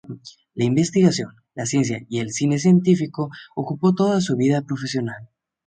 La investigación, la ciencia y el cine científico ocupó toda su vida profesional.